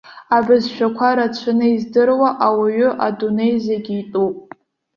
Абызшәақәа рацәаны издыруа ауаҩы адунеи зегь итәуп.